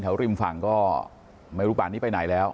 ริมฝั่งก็ไม่รู้ป่านนี้ไปไหนแล้ว